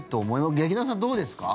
劇団さん、どうですか？